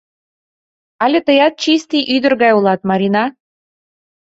— Але тыят чисти ӱдыр гай улат, Марина.